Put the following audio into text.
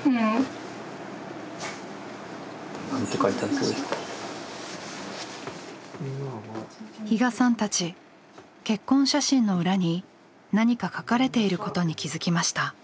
それはちょっと比嘉さんたち結婚写真の裏に何か書かれていることに気付きました。